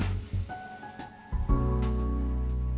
ya udah jalan